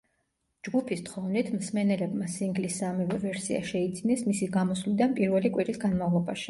ჯგუფის თხოვნით, მსმენელებმა სინგლის სამივე ვერსია შეიძინეს მისი გამოსვლიდან პირველი კვირის განმავლობაში.